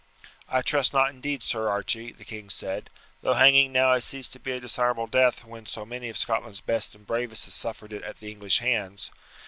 "I trust not indeed, Sir Archie," the king said, "though hanging now has ceased to be a dishonourable death when so many of Scotland's best and bravest have suffered it at the English hands.